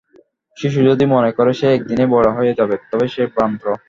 শিশু যদি মনে করে, সে একদিনেই বড় হইয়া যাইবে, তবে সে ভ্রান্ত।